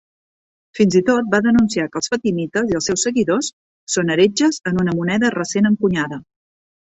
Fins i tot va denunciar que els fatimites i els seus seguidors són heretges en una moneda recent encunyada.